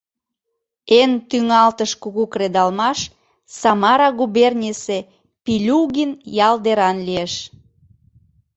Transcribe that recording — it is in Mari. Эн тӱҥалтыш кугу кредалмаш Самара губернийысе Пильугин ял деран лиеш.